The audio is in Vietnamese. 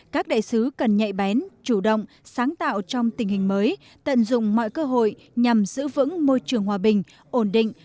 các đại sứ cần nhạy bén chủ động sáng tạo trong tình hình mới tận dụng mọi cơ hội nhằm giữ vững môi trường hòa bình ổn định